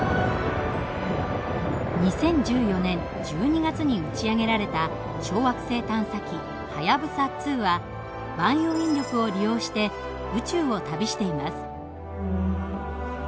２０１４年１２月に打ち上げられた小惑星探査機はやぶさ２は万有引力を利用して宇宙を旅しています。